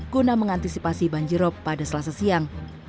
guna mengantisipasi banjir rok pada selasa siang